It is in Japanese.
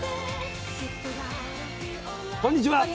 こんにちは。